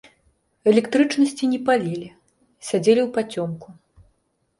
Электрычнасці не палілі, сядзелі ўпацёмку.